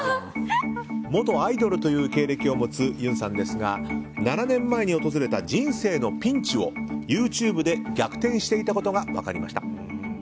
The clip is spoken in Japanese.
元アイドルという経歴を持つゆんさんですが７年前に訪れた人生のピンチをＹｏｕＴｕｂｅで逆転していたことが分かりました。